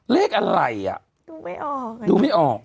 เลขอะไรอ่ะดูไม่ออก